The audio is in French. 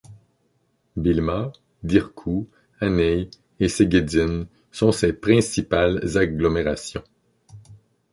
Bilma, Dirkou, Aney et Séguédine sont ses principales agglomérations.